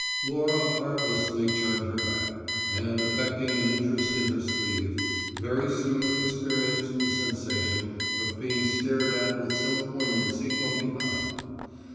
Laura heartlessly turned her back, and, affecting an interest in her sleeve, very soon experienced the sensation of being stared at with some poignancy from behind.